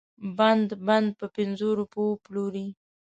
بند بند په پنځو روپو وپلوري.